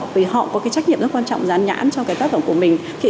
vì họ có cái trách nhiệm rất quan trọng dán nhãn cho cái tác phẩm của mình